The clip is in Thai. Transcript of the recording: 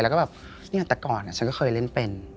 แล้วก็แบบเนี่ยแต่ก่อนฉันก็เคยเล่นเป็น